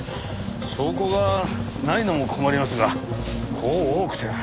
証拠がないのも困りますがこう多くては。